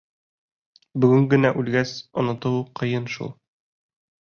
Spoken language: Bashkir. Бөгөн генә үлгәс, онотоуы ҡыйын шул.